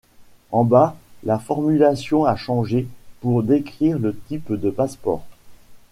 En bas, la formulation a changé pour décrire le type de passeport.